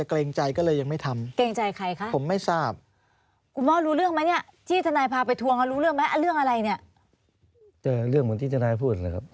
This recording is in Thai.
ค้นห้องตอนค้นผมไม่เจออ่ามันจะขายของอยู่อ่ะมันหมด